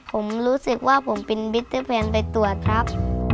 ผมรู้สึกว่าผมเป็นมิเตอร์แพลนไปตรวจครับ